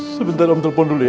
sebentar om telpon dulu ya